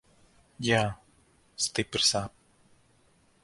Jā, stipri sāp.